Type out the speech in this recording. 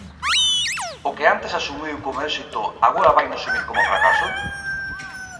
¿O que antes asumiu como éxito agora vaino asumir como fracaso?